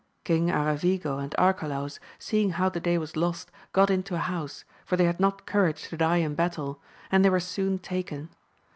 King Aravigo and Arcalaus, see ing how the day was lost, got into a house, for they had not courage to die in battle, and they were soon taken.